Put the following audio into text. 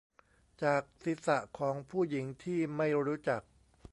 จากศีรษะของผู้หญิงที่ไม่รู้จัก